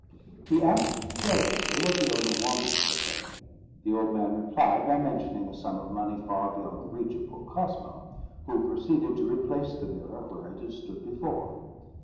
He asked carelessly what the owner wanted for the thing. The old man replied by mentioning a sum of money far beyond the reach of poor Cosmo, who proceeded to replace the mirror where it had stood before.